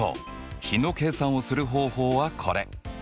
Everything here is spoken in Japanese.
比の計算をする方法はこれ！